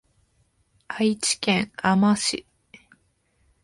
愛知県あま市